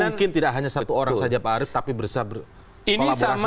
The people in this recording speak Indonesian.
mungkin tidak hanya satu orang saja pak arief tapi bisa berkolaborasi